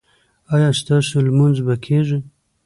ایا ستاسو لمونځ به کیږي؟